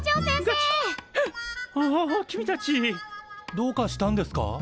どうかしたんですか？